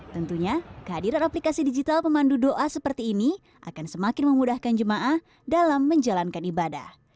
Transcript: tentunya kehadiran aplikasi digital pemandu doa seperti ini akan semakin memudahkan jemaah dalam menjalankan ibadah